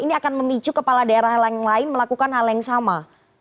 ini akan memicu kepala daerah yang lain melakukan hal yang sama